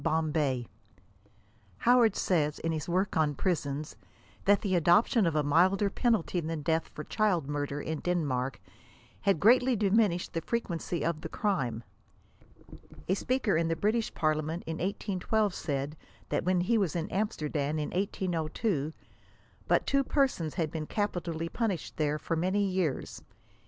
BOMBAY. Howard says, in his work on prisons, that the adoption of a milder penalty than death for child murder, in Denmark, «* had greatly diminished the frequency of the crime." A speaker in the British Parliament in 1812 said, that when he was in Amsterdam in 1802, but two persons had been capitally punished there for many years.